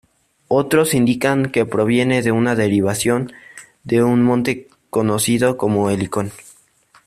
Otros indican que proviene de una derivación de un monte conocido como Helicón.